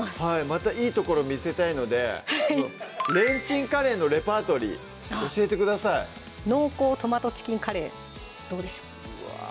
またいいところ見せたいのでレンチンカレーのレパートリー教えてください「濃厚トマトチキンカレー」どうでしょううわぁ